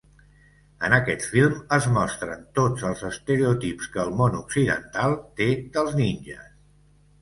En aquest film es mostren tots els estereotips que el món occidental té dels ninges.